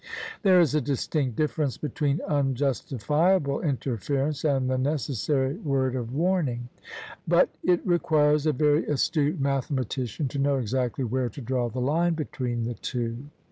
There is a distinct difiEerence between unjustifia ble interference and the necessary word of warning: but it OF ISABEL CARNABY requires a very astute mathematician to know exactly where to draw the line between the two